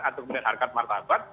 atau punya harkat martabat